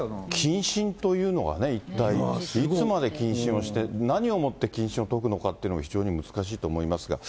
謹慎というのがね、一体、いつまで謹慎をして、何をもって謹慎を解くのかというのは、非常に難しいと思いますが。